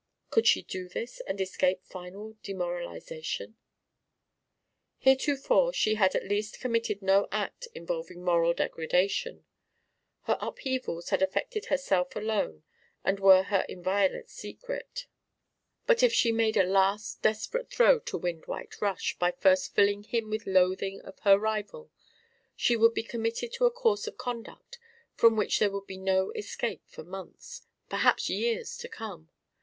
Could she do this and escape final demoralisation? Heretofore she had at least committed no act involving moral degradation; her upheavals had affected herself alone and were her inviolate secret; but if she made a last desperate throw to win Dwight Rush by first filling him with loathing of her rival, she would be committed to a course of conduct from which there would be no escape for months, perhaps years to come.